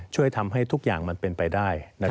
ช่วยทำให้ทุกอย่างมันเป็นไปได้